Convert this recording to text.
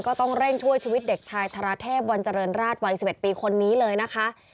ก็ต้องเร่งช่วยชีวิตเด็กชายธาราเทพวันเจริญราชวัย๑๑ปีคนนี้เลยนะคะ